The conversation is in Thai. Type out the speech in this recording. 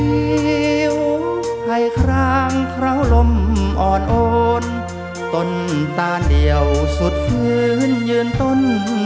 นิ้วให้คลางเคราะห์ลมอ่อนโอนต้นตานเดียวสุดฟื้นยืนต้น